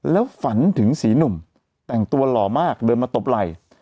แล้วฝันถึงสีหนุ่มแต่งตัวหล่อมากเดินมาตบไหล่